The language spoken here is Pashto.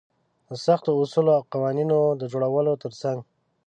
د سختو اصولو او قوانينونو د جوړولو تر څنګ.